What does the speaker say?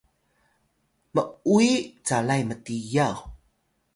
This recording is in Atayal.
m’uwiy calay mtiyaw